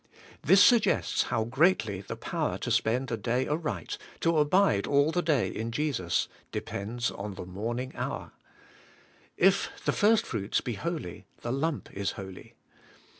This suggests how greatly the power to spend a day aright, to abide all the day in Jesus, depends on the morning hour. If the first fruits be holy, the lump is holy.